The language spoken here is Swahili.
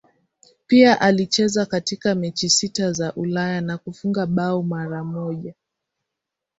Pia alicheza katika mechi sita za Ulaya na kufunga bao mara moja.